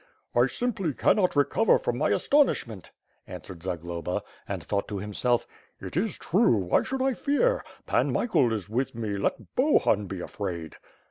"I simply cannot recover from my astonishment," answered Zagloba, and thought to himself, "It is true; why should I fear? Pan Michael is with me, let Bohun be afraid."